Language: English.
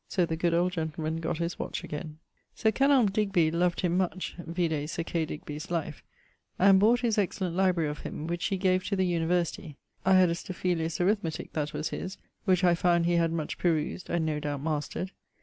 So the good old gentleman gott his watch again. Sir Kenelm Digby loved him much (vide Sir K. Digby's Life 69), and bought his excellent library of him, which he gave to the University. I have a Stifelius' Arithmetique that was his, which I find he had much perused, and no doubt mastered.